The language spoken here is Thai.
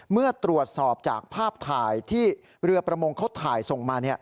เมื่อตรวจสอบจากภาพถ่ายที่เรือประมงเขาถ่ายส่งมา